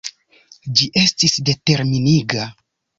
Ĝi estis determiniga.